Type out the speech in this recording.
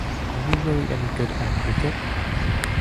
Are you really any good at cricket?